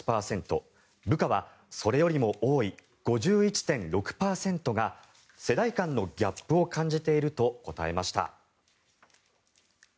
部下はそれよりも多い５１．６％が世代間のギャップを感じていると答えました。